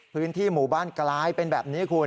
พื้นที่หมู่บ้านกลายเป็นแบบนี้คุณ